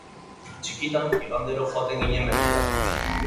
Txikitan, igandero joaten ginen mendira.